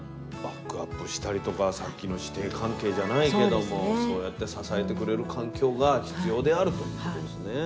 バックアップしたりとかさっきの師弟関係じゃないけどもそうやって支えてくれる環境が必要であるということですね。